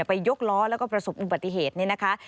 ยกล้อแล้วก็ประสบอุบัติเหตุนี่นะคะ